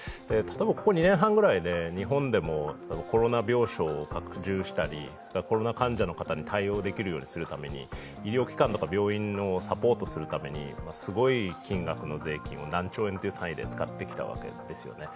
ここ２年半くらいで日本でもコロナ病床を拡充したり対応できるために医療機関とか病院をサポートするためにすごい金額の税金を何兆円という単位で使ってきたわけですよね。